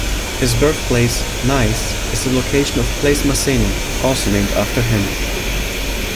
His birthplace, Nice, is the location of Place Massena, also named after him.